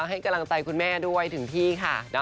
ให้กำลังใจคุณแม่ด้วยถึงที่ค่ะ